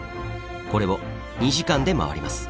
これを２時間でまわります。